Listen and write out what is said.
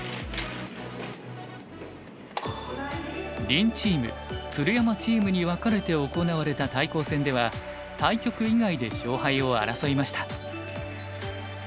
林チーム鶴山チームに分かれて行われた対抗戦では対局以外で勝敗を争いました。